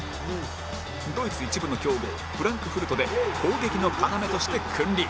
ドイツ１部の強豪フランクフルトで攻撃の要として君臨